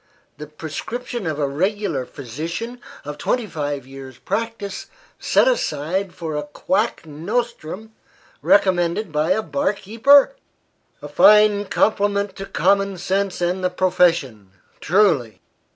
The prescription of a regular physician, of twenty five years' practice, set aside for a quack nostrum, recommended by a bar keeper! A fine compliment to common sense and the profession, truly!